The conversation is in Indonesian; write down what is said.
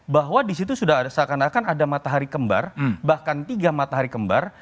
bahwa disitu sudah seakan akan ada matahari kembar bahkan tiga matahari kembar